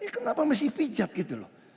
kenapa mesti pijat gitu loh